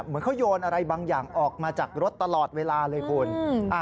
เหมือนเขาโยนอะไรบางอย่างออกมาจากรถตลอดเวลาเลยคุณ